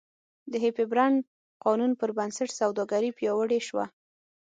د هیپبرن قانون پربنسټ سوداګري پیاوړې شوه.